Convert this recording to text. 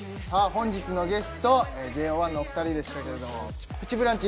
本日のゲストＪＯ１のお二人でしたけれども「プチブランチ」